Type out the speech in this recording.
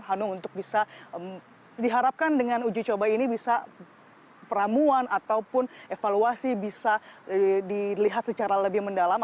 hanum untuk bisa diharapkan dengan uji coba ini bisa peramuan ataupun evaluasi bisa dilihat secara lebih mendalam